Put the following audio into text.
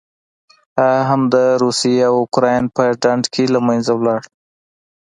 هغه هم د روسیې او اوکراین په ډنډ کې له منځه لاړه.